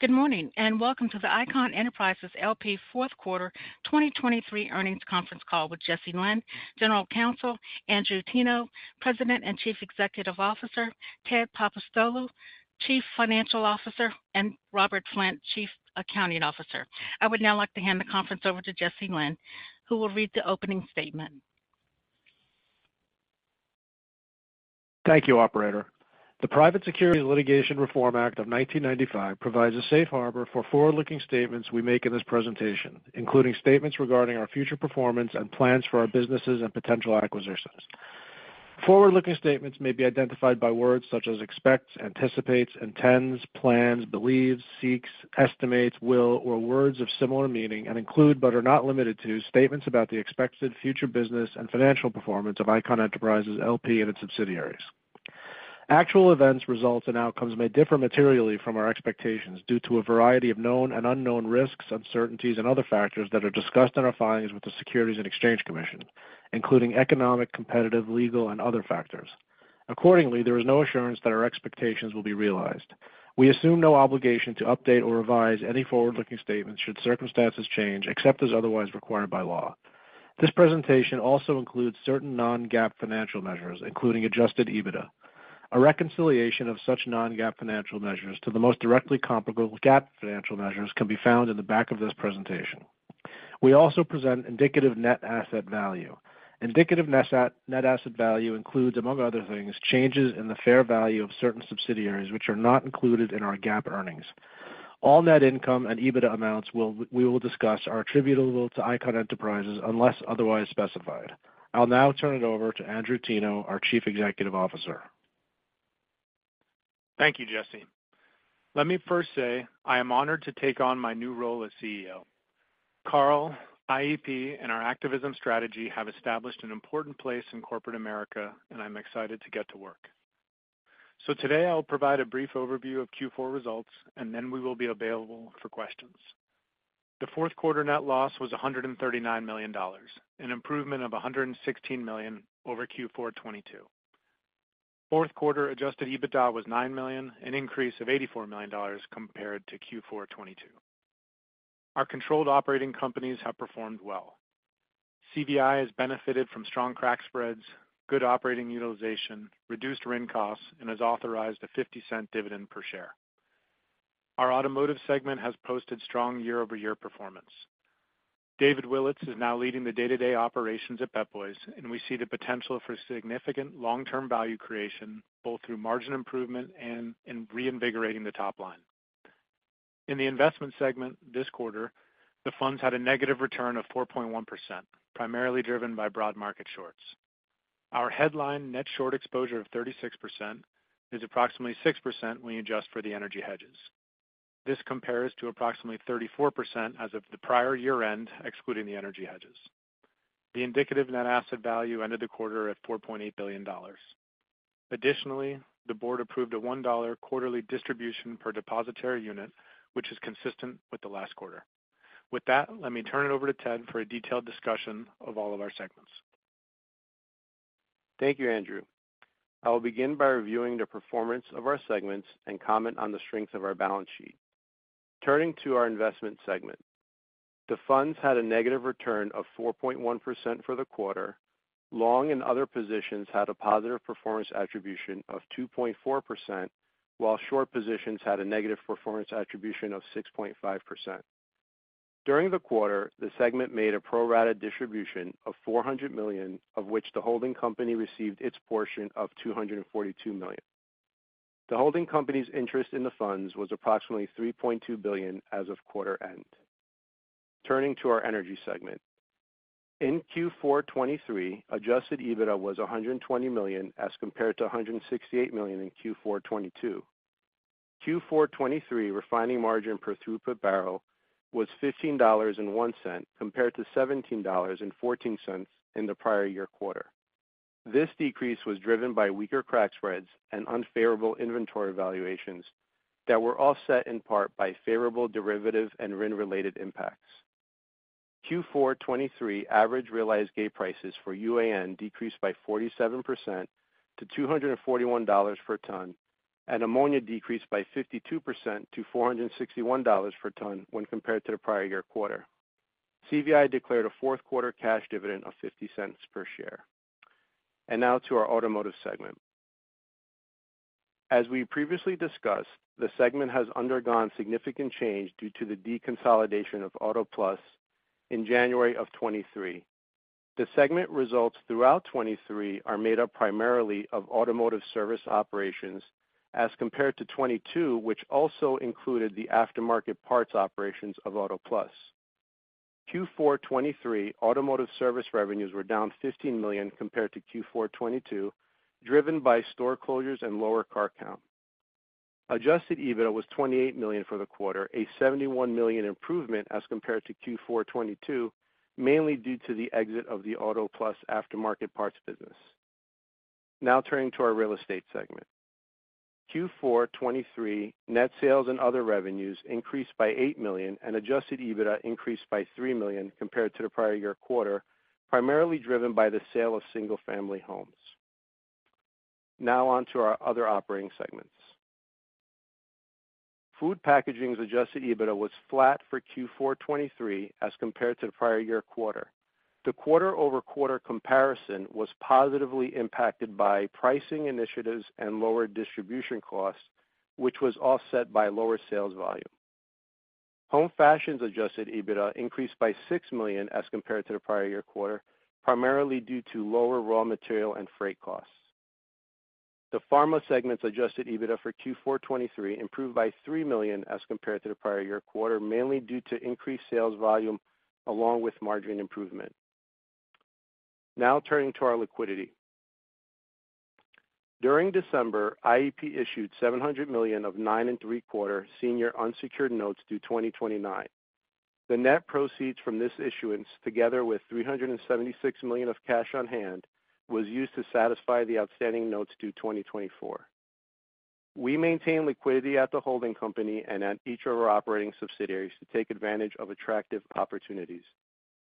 Good morning and welcome to the Icahn Enterprises L.P. fourth quarter 2023 earnings conference call with Jesse Lynn, General Counsel, Andrew Teno, President and Chief Executive Officer, Ted Papapostolou, Chief Financial Officer, and Robert Flint, Chief Accounting Officer. I would now like to hand the conference over to Jesse Lynn, who will read the opening statement. Thank you, Operator. The Private Securities Litigation Reform Act of 1995 provides a safe harbor for forward-looking statements we make in this presentation, including statements regarding our future performance and plans for our businesses and potential acquisitions. Forward-looking statements may be identified by words such as expects, anticipates, intends, plans, believes, seeks, estimates, will, or words of similar meaning and include but are not limited to statements about the expected future business and financial performance of Icahn Enterprises L.P. and its subsidiaries. Actual events, results, and outcomes may differ materially from our expectations due to a variety of known and unknown risks, uncertainties, and other factors that are discussed in our filings with the Securities and Exchange Commission, including economic, competitive, legal, and other factors. Accordingly, there is no assurance that our expectations will be realized. We assume no obligation to update or revise any forward-looking statements should circumstances change, except as otherwise required by law. This presentation also includes certain non-GAAP financial measures, including Adjusted EBITDA. A reconciliation of such non-GAAP financial measures to the most directly comparable GAAP financial measures can be found in the back of this presentation. We also present Indicative Net Asset Value. Indicative Net Asset Value includes, among other things, changes in the fair value of certain subsidiaries which are not included in our GAAP earnings. All net income and EBITDA amounts we will discuss are attributable to Icahn Enterprises unless otherwise specified. I'll now turn it over to Andrew Teno, our Chief Executive Officer. Thank you, Jesse. Let me first say I am honored to take on my new role as CEO. Carl, IEP, and our activism strategy have established an important place in corporate America, and I'm excited to get to work. Today I will provide a brief overview of Q4 results, and then we will be available for questions. The fourth quarter net loss was $139 million, an improvement of $116 million over Q4 2022. Fourth quarter Adjusted EBITDA was 9 million, an increase of $84 million compared to Q4 2022. Our controlled operating companies have performed well. CVI has benefited from strong crack spreads, good operating utilization, reduced RIN costs, and is authorized a 0.50 dividend per share. Our automotive segment has posted strong year-over-year performance. David Willetts is now leading the day-to-day operations at Pep Boys, and we see the potential for significant long-term value creation both through margin improvement and in reinvigorating the top line. In the investment segment this quarter, the funds had a negative return of 4.1%, primarily driven by broad market shorts. Our headline net short exposure of 36% is approximately 6% when you adjust for the energy hedges. This compares to approximately 34% as of the prior year-end excluding the energy hedges. The Indicative Net Asset Value ended the quarter at $4.8 billion. Additionally, the board approved a $1 quarterly distribution per Depositary Unit, which is consistent with the last quarter. With that, let me turn it over to Ted for a detailed discussion of all of our segments. Thank you, Andrew. I will begin by reviewing the performance of our segments and comment on the strengths of our balance sheet. Turning to our investment segment, the funds had a negative return of 4.1% for the quarter. Long and other positions had a positive performance attribution of 2.4%, while short positions had a negative performance attribution of 6.5%. During the quarter, the segment made a pro-rata distribution of 400 million, of which the holding company received its portion of 242 million. The holding company's interest in the funds was approximately 3.2 billion as of quarter-end. Turning to our energy segment, in Q4 2023, Adjusted EBITDA was 120 million as compared to $168 million in Q4 2022. Q4 2023 refining margin per throughput barrel was $15.01 compared to $17.14 in the prior year quarter. This decrease was driven by weaker crack spreads and unfavorable inventory valuations that were offset in part by favorable derivative and RIN-related impacts. Q4 2023 average realized gate prices for UAN decreased by 47% to $241 per ton, and ammonia decreased by 52% to $461 per ton when compared to the prior year quarter. CVI declared a fourth quarter cash dividend of $0.50 per share. Now to our automotive segment. As we previously discussed, the segment has undergone significant change due to the deconsolidation of Auto Plus in January of 2023. The segment results throughout 2023 are made up primarily of automotive service operations as compared to 2022, which also included the aftermarket parts operations of Auto Plus. Q4 2023 automotive service revenues were down $15 million compared to Q4 2022, driven by store closures and lower car count. Adjusted EBITDA was 28 million for the quarter, a 71 million improvement as compared to Q4 2022, mainly due to the exit of the Auto Plus aftermarket parts business. Now turning to our Real Estate segment. Q4 2023 net sales and other revenues increased by 8 million, and Adjusted EBITDA increased by 3 million compared to the prior year quarter, primarily driven by the sale of single-family homes. Now on to our other operating segments. Food Packaging's Adjusted EBITDA was flat for Q4 2023 as compared to the prior year quarter. The quarter-over-quarter comparison was positively impacted by pricing initiatives and lower distribution costs, which was offset by lower sales volume. Home Fashion's Adjusted EBITDA increased by $6 million as compared to the prior year quarter, primarily due to lower raw material and freight costs. The Pharma segment's Adjusted EBITDA for Q4 2023 improved by 3 million as compared to the prior year quarter, mainly due to increased sales volume along with margin improvement. Now turning to our liquidity. During December, IEP issued 700 million of 9.75% senior unsecured notes due 2029. The net proceeds from this issuance, together with 376 million of cash on hand, was used to satisfy the outstanding notes due 2024. We maintain liquidity at the holding company and at each of our operating subsidiaries to take advantage of attractive opportunities.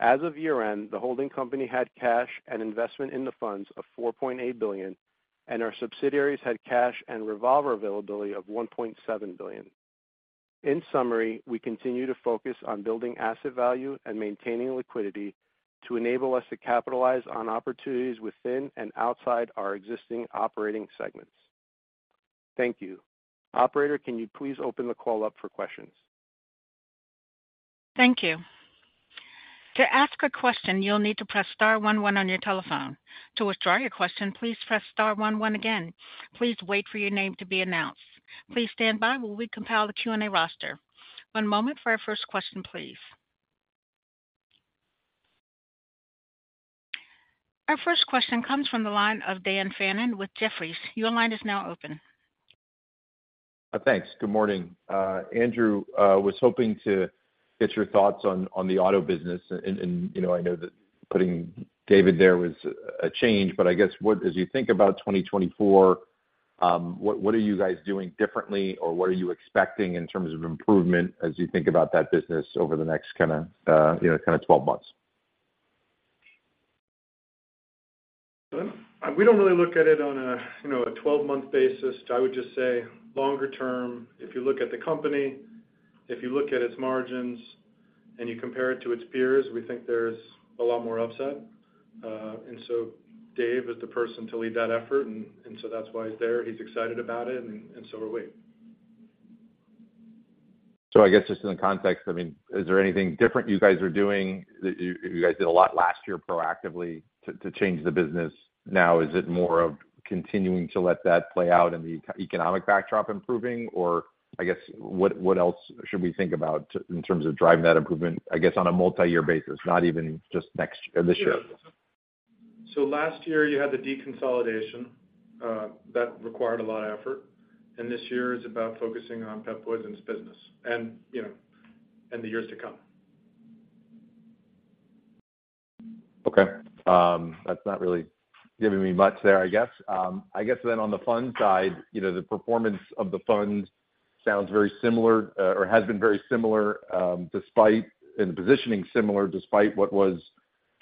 As of year-end, the holding company had cash and investment in the funds of $4.8 billion, and our subsidiaries had cash and revolver availability of 1.7 billion. In summary, we continue to focus on building asset value and maintaining liquidity to enable us to capitalize on opportunities within and outside our existing operating segments. Thank you. Operator, can you please open the call up for questions? Thank you. To ask a question, you'll need to press star 11 on your telephone. To withdraw your question, please press star 11 again. Please wait for your name to be announced. Please stand by while we compile the Q&A roster. One moment for our first question, please. Our first question comes from the line of Dan Fannon with Jefferies. Your line is now open. Thanks. Good morning. Andrew, I was hoping to get your thoughts on the auto business, and I know that putting David there was a change, but I guess as you think about 2024, what are you guys doing differently, or what are you expecting in terms of improvement as you think about that business over the next kind of 12 months? We don't really look at it on a 12-month basis. I would just say longer term, if you look at the company, if you look at its margins, and you compare it to its peers, we think there's a lot more upside. And so Dave is the person to lead that effort, and so that's why he's there. He's excited about it, and so are we. So I guess just in the context, is there anything different you guys are doing? You guys did a lot last year proactively to change the business. Now, is it more of continuing to let that play out and the economic backdrop improving, or I guess what else should we think about in terms of driving that improvement, I guess, on a multi-year basis, not even just this year? Last year, you had the deconsolidation. That required a lot of effort. This year is about focusing on Pep Boys and its business and the years to come. Okay. That's not really giving me much there, I guess. I guess then on the fund side, the performance of the fund sounds very similar or has been very similar in the positioning similar despite what was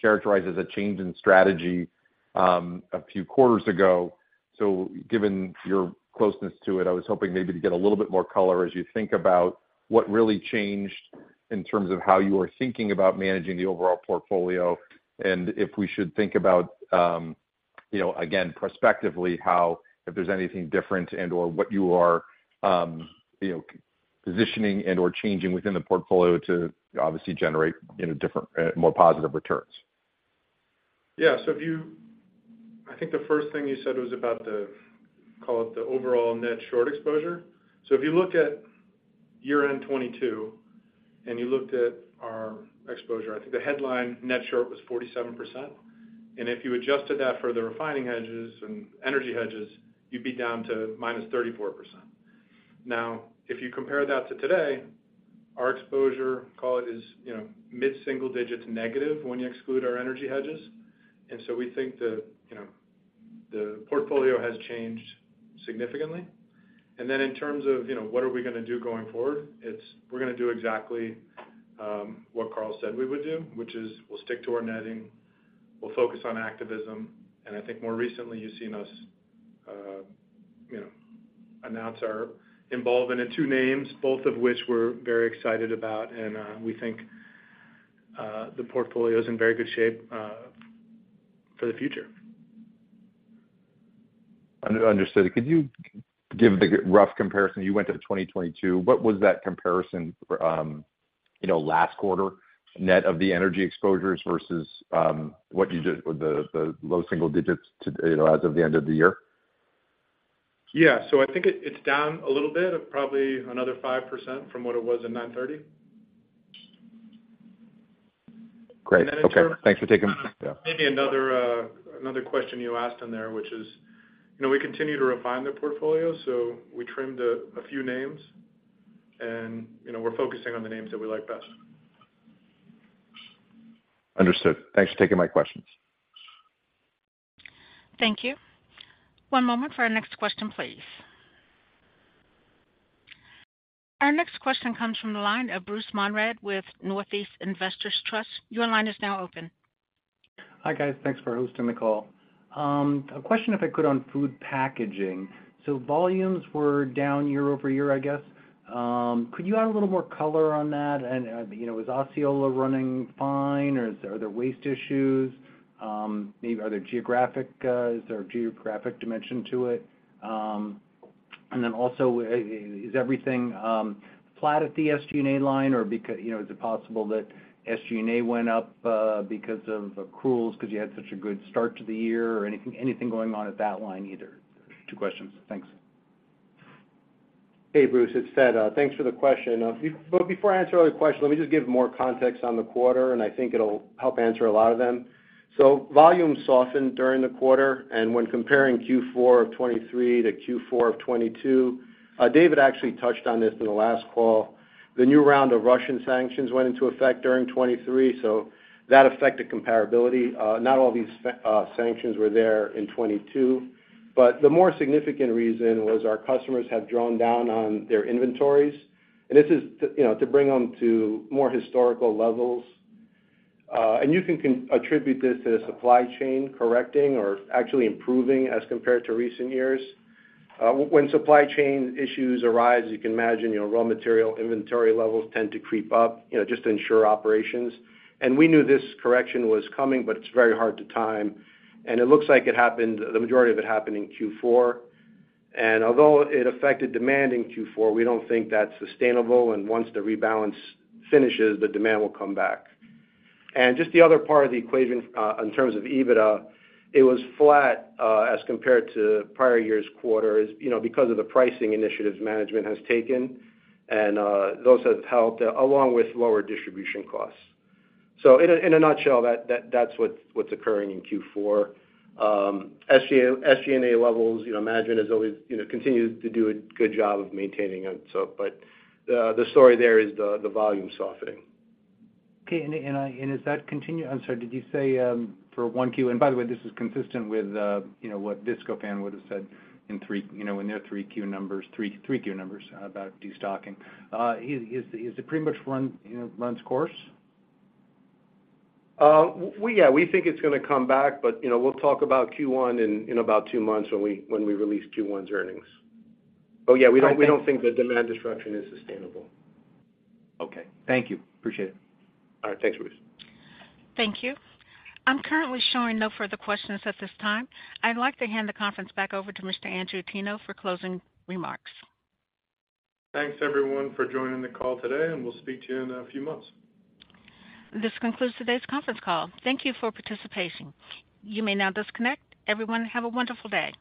characterized as a change in strategy a few quarters ago. So given your closeness to it, I was hoping maybe to get a little bit more color as you think about what really changed in terms of how you are thinking about managing the overall portfolio and if we should think about, again, prospectively, if there's anything different and/or what you are positioning and/or changing within the portfolio to obviously generate different, more positive returns. Yeah. So I think the first thing you said was about the call it the overall net short exposure. So if you look at year-end 2022 and you looked at our exposure, I think the headline net short was 47%. And if you adjusted that for the refining hedges and energy hedges, you'd be down to -34%. Now, if you compare that to today, our exposure, call it, is mid-single digits negative when you exclude our energy hedges. And so we think the portfolio has changed significantly. And then in terms of what are we going to do going forward, we're to do exactly what Carl said we would do, which is we'll stick to our knitting. We'll focus on activism. I think more recently, you've seen us announce our involvement in two names, both of which we're very excited about, and we think the portfolio is in very good shape for the future. Understood. Could you give the rough comparison? You went to 2022. What was that comparison last quarter, net of the energy exposures versus what you did with the low single digits as of the end of the year? Yeah. So I think it's down a little bit of probably another 5% from what it was in 9/30. And then in terms of. Great. Okay. Thanks for taking maybe another question you asked on there, which is we continue to refine the portfolio, so we trimmed a few names, and we're focusing on the names that we like best. Understood. Thanks for taking my questions. Thank you. One moment for our next question, please. Our next question comes from the line of Bruce Monrad with Northeast Investors Trust. Your line is now open. Hi, guys. Thanks for hosting the call. A question if I could on food packaging. So volumes were down year-over-year, I guess. Could you add a little more color on that? And is Osceola running fine, or are there waste issues? Maybe, is there a geographic dimension to it? And then also, is everything flat at the SG&A line, or is it possible that SG&A went up because of accruals because you had such a good start to the year or anything going on at that line either? Two questions. Thanks. Hey, Bruce. It's Ted. Thanks for the question. But before I answer all your questions, let me just give more context on the quarter, and I think it'll help answer a lot of them. So volumes softened during the quarter. And when comparing Q4 of 2023 to Q4 of 2022, David actually touched on this in the last call. The new round of Russian sanctions went into effect during 2023, so that affected comparability. Not all these sanctions were there in 2022. But the more significant reason was our customers have drawn down on their inventories. And this is to bring them to more historical levels. And you can attribute this to the supply chain correcting or actually improving as compared to recent years. When supply chain issues arise, you can imagine raw material inventory levels tend to creep up just to ensure operations. We knew this correction was coming, but it's very hard to time. It looks like the majority of it happened in Q4. Although it affected demand in Q4, we don't think that's sustainable. Once the rebalance finishes, the demand will come back. Just the other part of the equation in terms of EBITDA, it was flat as compared to prior year's quarters because of the pricing initiatives management has taken, and those have helped along with lower distribution costs. In a nutshell, that's what's occurring in Q4. SG&A levels, management has always continued to do a good job of maintaining them. But the story there is the volume softening. Okay. And is that continue? I'm sorry. Did you say for 1Q? And by the way, this is consistent with what Viscofan would have said in their 3Q numbers about destocking. Does it pretty much run its course? Yeah. We think it's going to come back, but we'll talk about Q1 in about two months when we release Q1's earnings. But yeah, we don't think that demand destruction is sustainable. Okay. Thank you. Appreciate it. All right. Thanks, Bruce. Thank you. I'm currently showing no further questions at this time. I'd like to hand the conference back over to Mr. Andrew Teno for closing remarks. Thanks, everyone, for joining the call today, and we'll speak to you in a few months. This concludes today's conference call. Thank you for participating. You may now disconnect. Everyone, have a wonderful day.